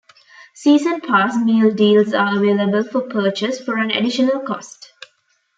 Season Pass Meal Deals are available for purchase for an additional cost.